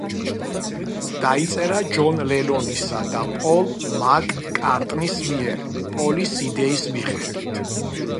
დაიწერა ჯონ ლენონისა და პოლ მაკ-კარტნის მიერ, პოლის იდეის მიხედვით.